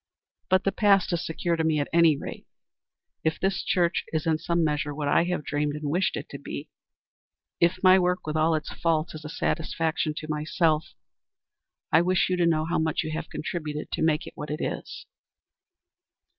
But the past is secure to me at any rate. If this church is in some measure what I have dreamed and wished it to be, if my work with all its faults is a satisfaction to myself, I wish you to know how much you have contributed to make it what it is."